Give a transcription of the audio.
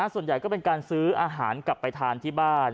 ส่วนใหญ่ก็เป็นการซื้ออาหารกลับไปทานที่บ้าน